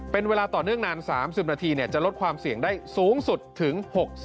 เป็นเวลาต่อเนื่องนาน๓๐นาทีจะลดความเสี่ยงได้สูงสุดถึง๖๐